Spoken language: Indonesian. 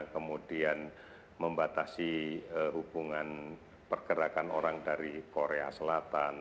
kemudian membatasi hubungan pergerakan orang dari korea selatan